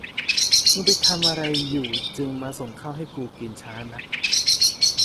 มึงไปทำอะไรอยู่จึงมาส่งข้าวให้กูกินช้านัก